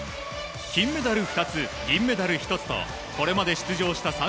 金メダル２つ、銀メダル１つとこれまで出場した